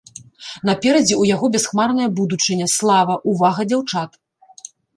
Наперадзе ў яго бясхмарная будучыня, слава, увага дзяўчат.